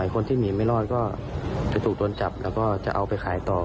คนที่หนีไม่รอดก็จะถูกโดนจับแล้วก็จะเอาไปขายต่อ